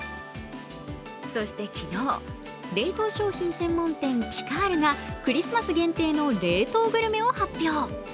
そして昨日、冷凍商品専門店・ピカールがクリスマス限定の冷凍グルメを発表。